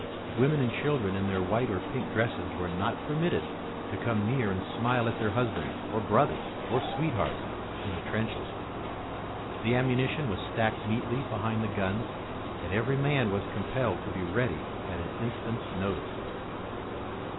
Women and girls in their white or pink dresses were not permitted to come near and smile at their husbands or brothers or sweethearts in the trenches. The ammunition was stacked neatly behind the guns, and every man was compelled to be ready at an instant's notice.